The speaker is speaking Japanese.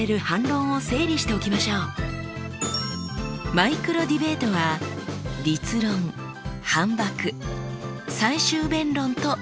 マイクロディベートは立論反ばく最終弁論と進みます。